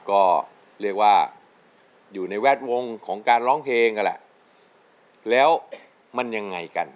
ก็เรียกว่าอยู่ในแวดวงของการร้องเพลงนั่นแหละแล้วมันยังไงกัน